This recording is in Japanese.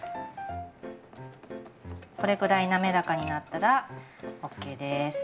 これくらい滑らかになったらＯＫです。